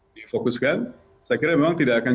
difokuskan saya kira memang tidak akan